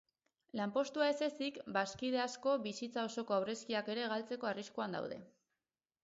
Lanpostua ez ezik, bazkide asko bizitza osoko aurrezkiak ere galtzeko arriskuan daude.